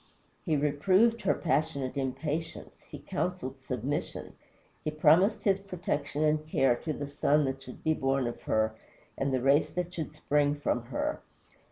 He reproved her passionate impatience; he counseled submission; he promised his protection and care to the son that should be born of her and the race that should spring from her.